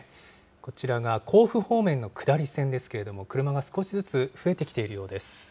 こちらが甲府方面の下り線ですけれども、車が少しずつ増えてきているようです。